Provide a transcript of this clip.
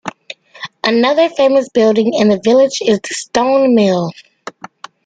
Another famous building in the village is the 'Stone Mill'.